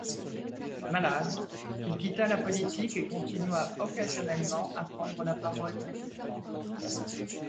Malade, il quitta la politique et continua occasionnellement à prendre la parole publiquement.